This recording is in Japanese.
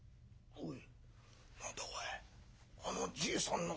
おい！